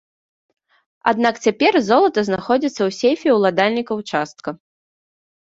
Аднак цяпер золата знаходзіцца ў сейфе ўладальніка ўчастка.